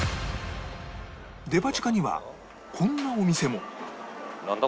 デパ地下にはこんなお店もなんだ？